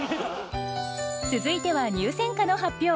続いては入選歌の発表。